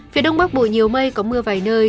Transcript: phía đông bắc bộ nhiều mây có mưa vài nơi